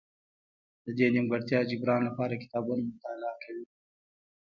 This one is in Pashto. د دې نیمګړتیا جبران لپاره کتابونه مطالعه کوي.